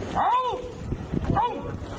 จุด